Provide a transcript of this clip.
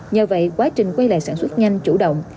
nhờ vậy quá trình quay lại sản xuất nhanh chủ động